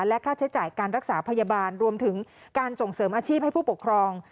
และค่าใช้จ่ายการรักษาพยาบาลรวมถึงการส่งเสริมอาชีพให้ผู้ปกครอง